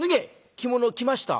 「着物を着ました」。